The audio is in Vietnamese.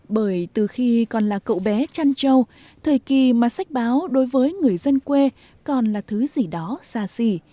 bởi từ khi còn là cậu bé trăn châu thời kỳ mà sách báo đối với người dân quê còn là thứ gì đó xa xỉ